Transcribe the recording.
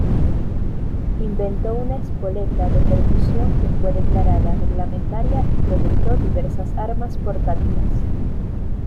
Inventó una espoleta de percusión que fue declarada reglamentaria y proyectó diversas armas portátiles.